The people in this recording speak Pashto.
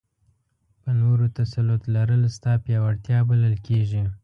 په نورو تسلط لرل ستا پیاوړتیا بلل کېږي.